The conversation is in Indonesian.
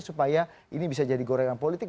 supaya ini bisa jadi gorengan politik